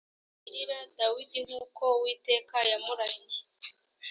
nintagirira dawidi nk uko uwiteka yamurahiye